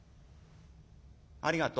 「ありがと。